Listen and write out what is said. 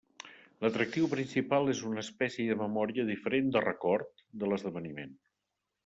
L'atractiu principal és una espècie de memòria diferent de record de l'esdeveniment.